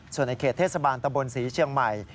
ส่วนในเขตเทศบาลตะบนศรีเชียงใหม่